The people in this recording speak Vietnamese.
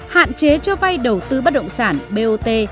hạn chế cho vay đầu tư bất động sản bot